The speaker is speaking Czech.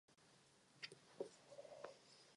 Rose začínal s fotbalem v Leeds United.